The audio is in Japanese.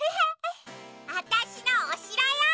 わたしのおしろよ！